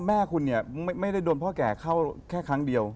แม่คุณเนี่ยไม่ได้โดนพ่อแก่เข้าแค่ครั้งเดียว